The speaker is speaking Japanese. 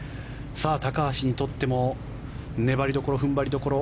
高橋にとっても粘りどころ、踏ん張りどころ。